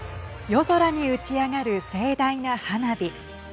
夜空に打ち上がる盛大な花火。